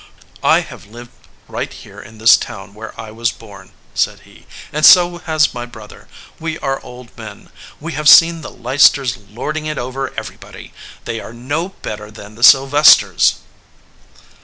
"I have lived right here in this town where I was born," said he, "and so has my brother. We are old men. We have seen the Leicesters lording it over everybody. They are no better than the Sylvesters."